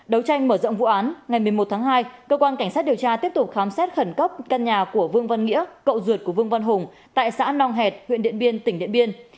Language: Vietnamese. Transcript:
đấu tranh mở rộng vụ án ngày một mươi một tháng hai cơ quan cảnh sát điều tra tiếp tục khám xét khẩn cấp căn nhà của vương văn nghĩa cậu ruột của vương văn hùng tại xã nong hẹt huyện điện biên tỉnh điện biên